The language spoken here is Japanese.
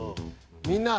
「みんな！！